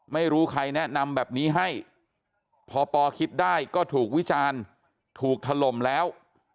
ไม่รู้ใครแนะนำแบบนี้ให้พอปอคิดได้ก็ถูกวิจารณ์ถูกถล่มแล้ว